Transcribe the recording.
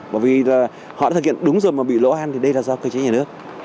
bởi vì là họ đã thực hiện đúng rồi mà bị lỗ hăn thì đây là do cơ chế nhà nước